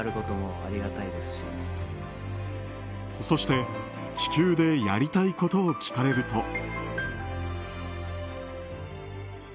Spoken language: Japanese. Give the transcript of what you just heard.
そして、地球でやりたいことを聞かれると。